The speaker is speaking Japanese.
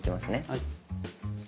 はい。